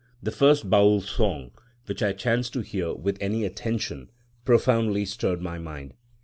The first Baül song, which I chanced to hear with any attention, profoundly stirred my mind.